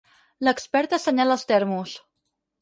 L'expert assenyala els termos.